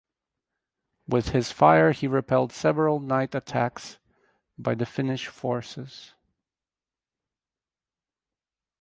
With his fire he repelled several night attacks by the Finnish forces.